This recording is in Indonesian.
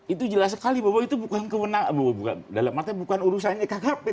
itu jelas sekali bahwa itu bukan urusannya ikan ikan